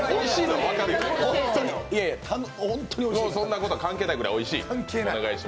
そんなこと関係ないくらいおいしいと。